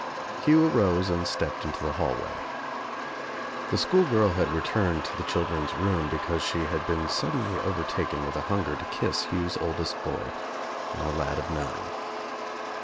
Hugh arose and stepped into the hallway. The schoolgirl had returned to the children's room be cause she had been suddenly overtaken with a hunger to kiss Hugh's oldest boy, now a lad of nine.